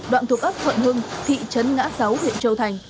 đoạn thuộc ấp thuận hưng thị trấn ngã sáu huyện châu thành